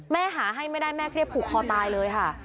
หาให้ไม่ได้แม่เครียดผูกคอตายเลยค่ะ